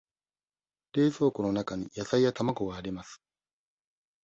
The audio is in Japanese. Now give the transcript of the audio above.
冷蔵庫の中に野菜や卵があります。